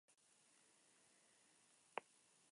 De esta última versión surge el acrónimo.